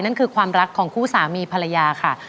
นั่นคือความรักของคู่สามีภรรยาค่ะ